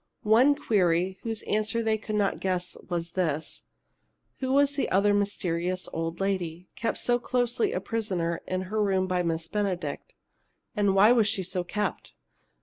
One query, whose answer they could not guess was this: who was the other mysterious old lady, kept so closely a prisoner in her room by Miss Benedict? And why was she so kept?